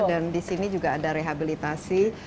di sini juga ada rehabilitasi